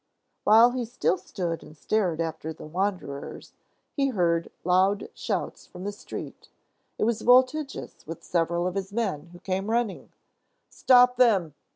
While he still stood and stared after the wanderers, he heard loud shouts from the street. It was Voltigius, with several of his men, who came running. "Stop them!"